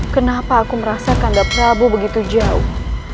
kenapa aku merasa kandap prabu begitu jauh